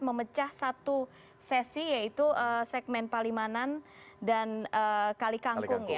memecah satu sesi yaitu segmen palimanan dan kalikangkung ya